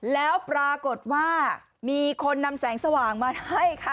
แล้วปรากฏว่ามีคนนำแสงสว่างมาให้ค่ะ